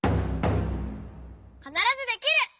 「かならずできる！」。